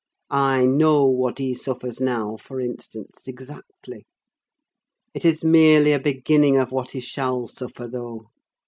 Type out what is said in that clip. I know what he suffers now, for instance, exactly: it is merely a beginning of what he shall suffer, though.